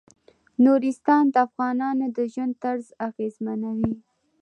نورستان د افغانانو د ژوند طرز اغېزمنوي.